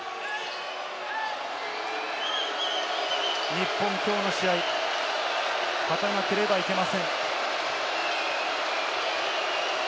日本、きょうの試合、勝たなければいけません。